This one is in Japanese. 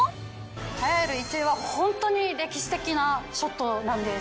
栄えある１位はホントに歴史的なショットなんです。